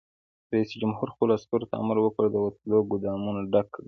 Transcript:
رئیس جمهور خپلو عسکرو ته امر وکړ؛ د وسلو ګودامونه ډک کړئ!